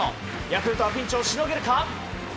ヤクルトはピンチをしのげるか？